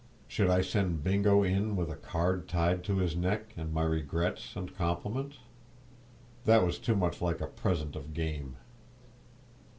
Should I send Bingo in, with a card tied to his neck and my regrets and compliments? That was too much like a present of game.